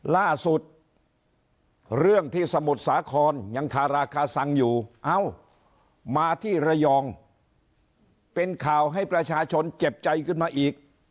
ล่าสุดเรื่องที่สมุทรสาครยังคาราคาซังอยู่เอ้ามาที่ระยองเป็นข่าวให้ประชาชนเจ็บใจขึ้นมาอีก